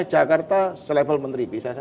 jakarta selevel menteri bisa saja